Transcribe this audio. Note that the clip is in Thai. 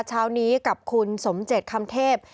เช้านี้กับคุณสมเจ็ดคำเทพ